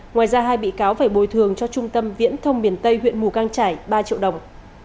ngoài ra hai bị cáo phải bồi thường cho trung tâm viễn thông miền tây huyện mù căng trải ba triệu đồng